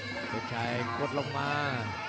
เพชรชัยกดลงมา